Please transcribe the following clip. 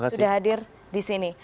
sudah hadir di sini